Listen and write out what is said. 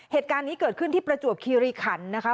เหตุการณ์นี้เกิดขึ้นที่ประจวบคีรีขันนะคะ